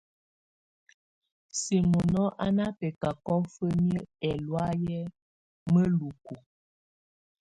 Simono á ná bɛcacɔ fǝ́miǝ́ ɛlɔ̀áyɛ́ mǝ́luku.